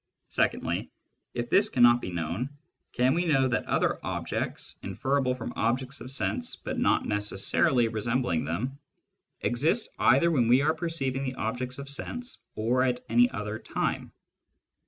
Secondly, if this cannot be known, can we know that other objects, inferable from objects of sense but not necessarily resembling them, exist either when we are perceiving the objects of sense or at any other time